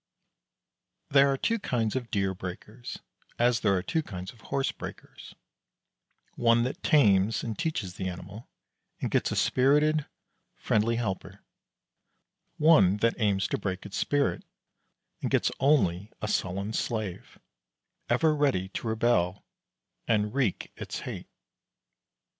There are two kinds of deer breakers, as there are two kinds of horse breakers: one that tames and teaches the animal, and gets a spirited, friendly helper; one that aims to break its spirit, and gets only a sullen slave, ever ready to rebel and wreak its hate.